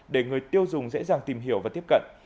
để người tiêu dùng dễ dàng tìm hiểu và tiếp cận